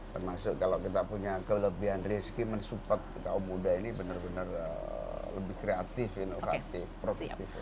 termasuk kalau kita punya kelebihan risiko men support kaum muda ini bener bener lebih kreatif inovatif produktif ya